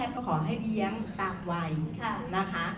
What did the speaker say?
ก็ขอให้เลี้ยงตามวัยนะคะ